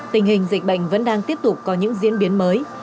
tình hình dịch bệnh vẫn đang tiếp tục có những diễn biến mới